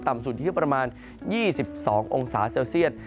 ต่ำสุดอยู่ที่ประมาณ๒๒องศาเซียต